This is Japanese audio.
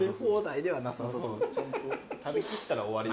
食べ切ったら終わり。